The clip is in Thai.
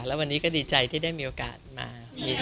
แล้ววันนี้ก็ดีใจที่ได้มีโอกาสมา